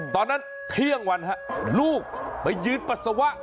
ตอนนั้นเที่ยงวันลูกไปยืนปัสสาวะ